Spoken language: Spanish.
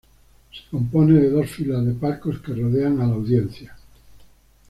Se compone de dos filas de palcos que rodean a la audiencia.